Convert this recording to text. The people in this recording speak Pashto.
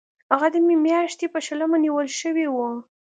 هغه د می میاشتې په شلمه نیول شوی و.